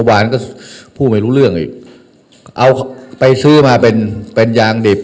หวานก็พูดไม่รู้เรื่องอีกเอาไปซื้อมาเป็นเป็นยางดิบ